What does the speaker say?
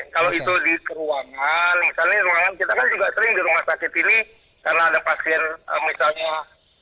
kalau itu di ruangan misalnya ruangan kita kan juga sering di rumah sakit ini karena ada pasien misalnya